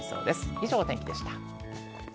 以上、お天気でした。